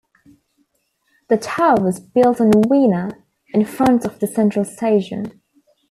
The tower was built on Weena in front of the Central station.